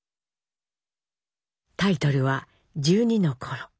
タイトルは「１２の頃」。